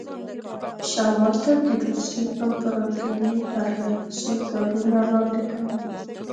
شمال ته د روسیې امپراطوري پرله پسې ښارونه لاندې کول.